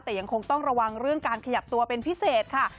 แต่ยังคงต้องระวังเรื่องการขยับตัวเป็นพิเศษค่ะ